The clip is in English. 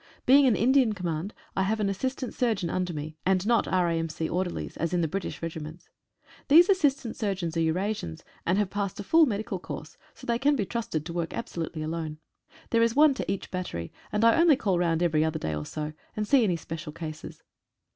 Being an Indian command, I have assistant surgeons under me, and not R.A.M.C. orderlies, as in the British regiments. These assistant surgeons are Eurasians, and have passed a full medical course, so they can be trusted to work 92 ENEMY ON THE WATCH. absolutely alone. There is one to each battery, and I only call round every other day or so, and see any special cases.